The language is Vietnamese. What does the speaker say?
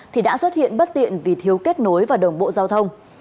thì đã xuất hiện bất tiện vì thiếu kết nối và đồng bộ giao thông